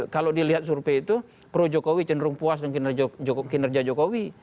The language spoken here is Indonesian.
kalau dilihat survei itu pro jokowi cenderung puas dengan kinerja jokowi